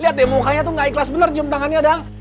lihat deh mukanya tuh gak ikhlas bener jam tangannya dang